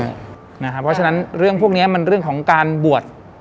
เพราะฉะนั้นเรื่องพวกนี้มันเรื่องของการบวช